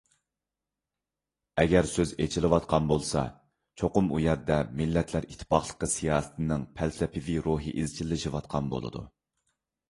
ئەگەر سۆز ئېچىلىۋاتقان بولسا، چوقۇم ئۇ يەردە «مىللەتلەر ئىتتىپاقلىقى» سىياسىتىنىڭ «پەلسەپىۋى» روھى ئىزچىللىشىۋاتقان بولىدۇ.